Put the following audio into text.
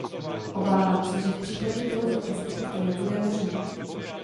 Obávám se, že v případě tohoto postupu to nebude možné.